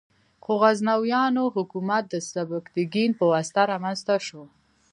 خو غزنویان حکومت د سبکتګین په واسطه رامنځته شو.